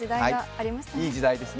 いい時代ですね。